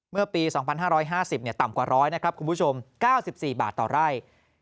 เมื่อปี๒๕๕๐ต่ำกว่า๑๐๐นะครับคุณผู้ชม๙๔บาทต่อไร่